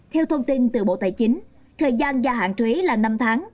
theo thông tin từ bộ tài chính thời gian gia hạn thuế là năm tháng